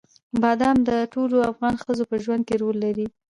بادام د ټولو افغان ښځو په ژوند کې رول لري.